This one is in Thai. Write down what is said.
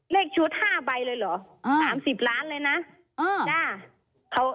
เลขชุด๕ใบเลยเหรอ๓๐ล้านเลยนะ